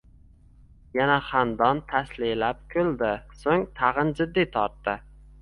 Yana xandon taslilab kuldi, so‘ng tag‘in jiddiy tortdi: